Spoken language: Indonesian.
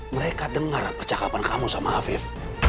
mereka dengar percakapan kamu sama afif